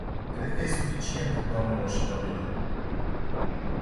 Cred că e suficient, doamnelor și domnilor.